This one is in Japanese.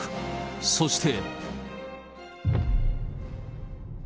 そして。